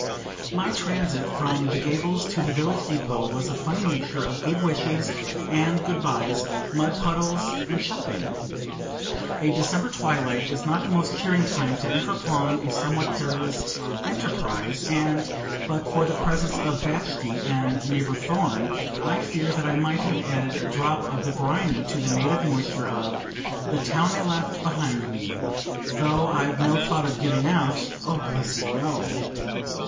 My transit from The Gables to the village depot was a funny mixture of good wishes and good byes, mud puddles and shopping. A December twilight is not the most cheering time to enter upon a somewhat perilous enterprise, and, but for the presence of Vashti and neighbor Thorn, I fear that I might have added a drop of the briny to the native moisture of "The town I left behind me;" though I'd no thought of giving out: oh, bless you, no!